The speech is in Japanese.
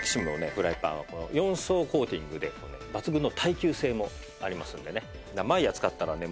フライパンは４層コーティングで抜群の耐久性もありますのでね。